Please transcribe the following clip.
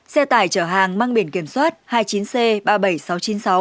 xe tải chở hàng mang biển kiểm soát hai mươi chín c ba mươi bảy nghìn sáu trăm chín mươi sáu